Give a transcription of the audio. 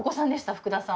福田さん。